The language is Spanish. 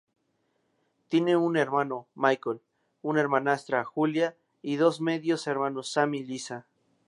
Tiene un hermano, Michael, una hermanastra, Julia, y dos medios hermanos, Sam y Liza.